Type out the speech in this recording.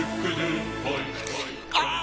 ああ！